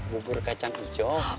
bubur kacang hijau